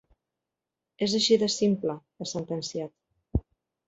És així de simple, ha sentenciat.